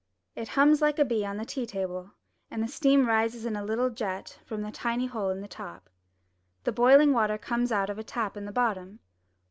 It hums like a bee on the tea table, and the steam rises in a little jet from a tiny hole in the top. The boiling water comes out of a tap at the bottom.